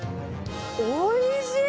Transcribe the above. おいしい！